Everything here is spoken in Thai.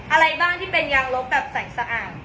อะไรบ้างที่เป็นยางลบแบบใสสะอาด